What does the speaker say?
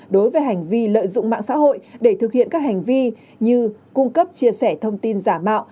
đối với hành vi lợi dụng mạng xã hội để thực hiện các hành vi như cung cấp chia sẻ thông tin giả mạo